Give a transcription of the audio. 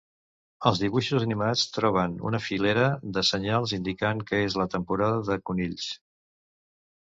Els dibuixos animats troben una filera de senyals indicant que és la temporada de conills.